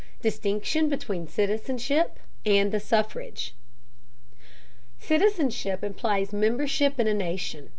DISTINCTION BETWEEN CITIZENSHIP AND THE SUFFRAGE. Citizenship implies membership in a nation.